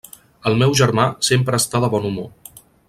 El meu germà sempre està de bon humor.